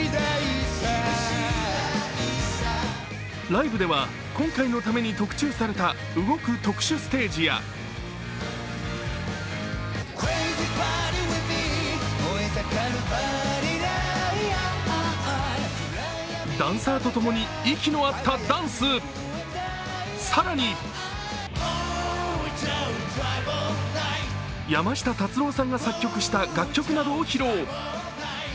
ライブでは、今回のために特注された動く特殊ステージやダンサーとともに息の合ったダンス、更に山下達郎さんが作曲した楽曲などを披露。